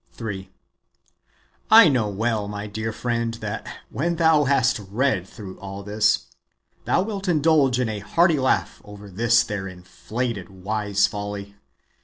3. I well know, my dear friend, that when thou hast read through all this, thou wilt indulge in a hearty laugh over this their inflated wise folly